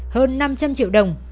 hơn năm trăm linh triệu đồng